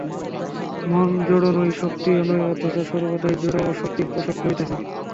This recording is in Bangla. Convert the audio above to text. মন জড় নয়, শক্তিও নয়, অথচ সর্বদাই জড় ও শক্তির প্রসব করিতেছে।